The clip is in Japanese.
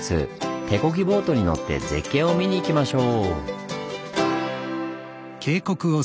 ボートに乗って絶景を見に行きましょう！